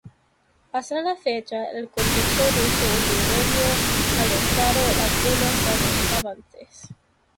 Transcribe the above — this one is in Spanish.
Hasta la fecha, el contexto ruso-hondureño, ha logrado algunos avances.